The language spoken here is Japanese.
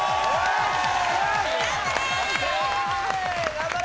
頑張れ！